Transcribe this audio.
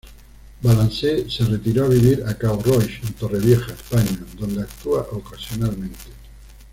Valance se retiró a vivir a Cabo Roig, en Torrevieja, España, donde actúa ocasionalmente.